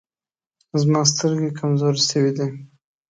زما سترګي کمزوري سوي دی.